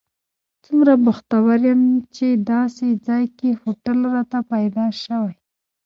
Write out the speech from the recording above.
څومره بختور یم چې داسې ځای کې هوټل راته پیدا شوی.